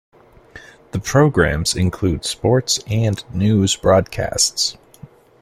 The programs include sports and news broadcasts.